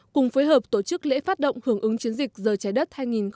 cùng phối hợp tổ chức lễ phát động hưởng ứng chiến dịch giờ trái đất hai nghìn hai mươi